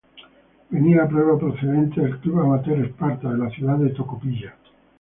Venía a prueba procedente del club amateur Esparta de la ciudad de Tocopilla.